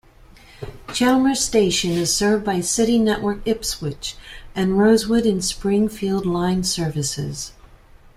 Chelmer station is served by City network Ipswich and Rosewood and Springfield line services.